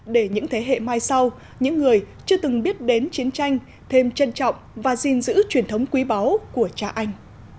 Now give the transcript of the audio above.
để những thế hệ mai sau những người chưa từng biết đến chiến tranh thêm trân trọng và gìn giữ truyền thống quý báu của cha anh